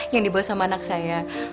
yang dibawa sama anak saya